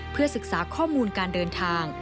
เพื่อศึกษาข้อมูลการเดินทาง